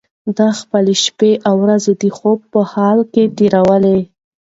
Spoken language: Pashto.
ده خپلې شپې او ورځې د خوب په حال کې تېرولې.